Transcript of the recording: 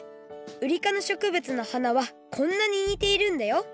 ウリかのしょくぶつの花はこんなににているんだよ